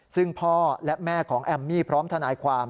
ซึ่งพ่อและแม่ของแอมมี่พร้อมทนายความ